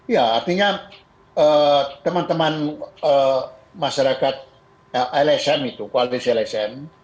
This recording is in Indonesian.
ya artinya teman teman masyarakat lsm itu koalisi lsm